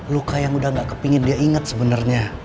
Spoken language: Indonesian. luka yang udah gak kepingin dia inget sebenernya